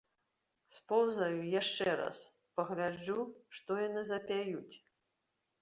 Споўзаю яшчэ раз, пагляджу, што яны запяюць.